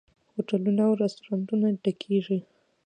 هوټلونه او رستورانتونه ډکیږي.